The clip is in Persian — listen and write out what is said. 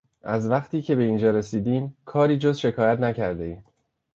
از وقتی که به اینجا رسیدیم کاری جز شکایت نکردهای.